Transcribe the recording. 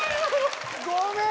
ごめん！